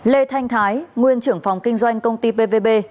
lê thanh thái nguyên trưởng phòng kinh doanh công ty pvb